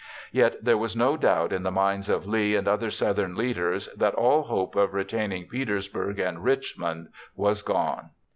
Yet there was no doubt in the minds of Lee and other Southern leaders that all hope of retaining Petersburg and Richmond was gone.